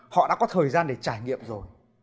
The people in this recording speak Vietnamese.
họ đã có thời gian để trải nghiệm rồi